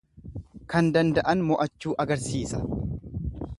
Kan danda'an mo'achuu agarsiisa.